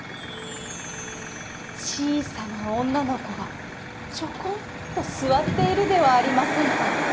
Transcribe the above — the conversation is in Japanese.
ちいさなおんなのこがちょこんとすわっているではありませんか。